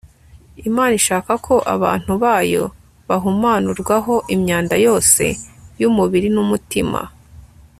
imana ishaka ko abantu bayo bahumanurwaho imyanda yose y'umubiri n'umutima